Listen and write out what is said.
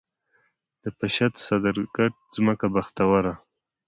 د پشد، صدرګټ ځمکه بختوره